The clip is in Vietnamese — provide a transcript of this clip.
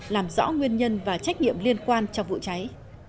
làm rõ nguyên nhân và trách nhiệm liên quan cho vụ cháy